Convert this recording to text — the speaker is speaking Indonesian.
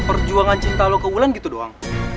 perjuangan cinta lo ke wulan gitu doang